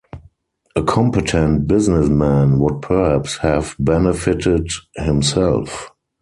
A competent business-man would perhaps have benefited himself.